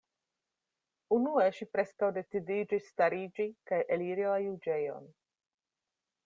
Unue ŝi preskaŭ decidiĝis stariĝi kaj eliri la juĝejon.